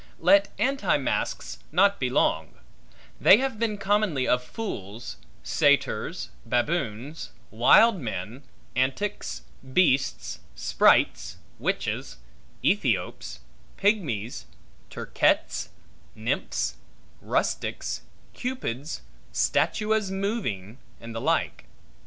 Let anti masques not be long; they have been commonly of fools, satyrs, baboons, wild men, antics, beasts, sprites, witches, Ethiops, pigmies, turquets, nymphs, rustics, Cupids, statuas moving, and the like.